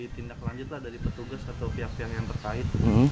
tindak lanjut dari petugas atau pihak pihak yang terkait